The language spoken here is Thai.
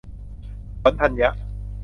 ผลธัญญะ